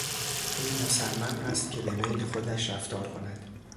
او مصمم است که به میل خودش رفتار کند.